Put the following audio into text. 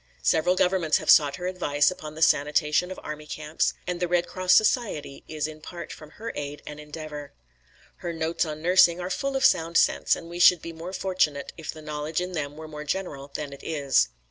Several Governments have sought her advice upon the sanitation of army camps, and the Red Cross Society is in part from her aid and endeavour. Her "Notes on Nursing" are full of sound sense and we should be more fortunate if the knowledge in them were more general than it is.